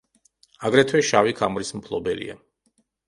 აგრეთვე შავი ქამრის მფლობელია.